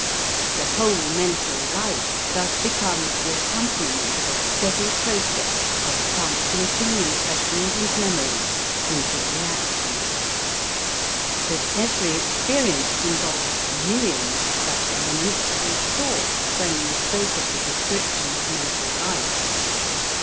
The whole mental life thus becomes the accompaniment of a steady process of transmitting impressions and memories into reactions. That every experience involves millions of such elements we saw when we spoke of the description of mental life.